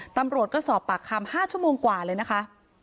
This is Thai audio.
ตำรวจก็สอบปากคำ๕ชั่วโมงกว่าเลยนะคะ